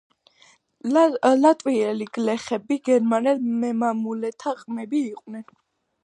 ლატვიელი გლეხები გერმანელ მემამულეთა ყმები იყვნენ.